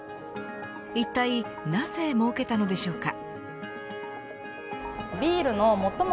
一体なぜ設けたのでしょうか。